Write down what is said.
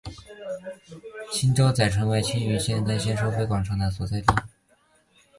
青洲仔成为青屿干线收费广场的所在地。